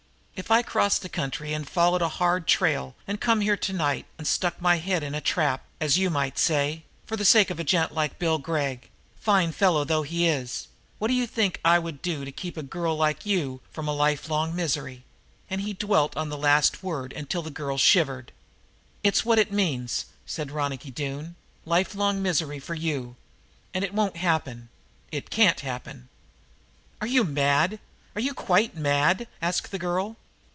"If I've crossed the country and followed a hard trail and come here tonight and stuck my head in a trap, as you might say, for the sake of a gent like Bill Gregg fine fellow though he is what d'you think I would do to keep a girl like you from life long misery?" And he dwelt on the last word until the girl shivered. "It's what it means," said Ronicky Doone, "life long misery for you. And it won't happen it can't happen." "Are you mad are you quite mad?" asked the girl.